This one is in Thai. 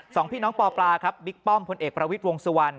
สองพี่น้องปปลาครับบิ๊กป้อมพลเอกประวิทย์วงสุวรรณ